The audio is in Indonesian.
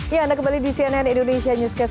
ya anda kembali di cnn indonesia newscast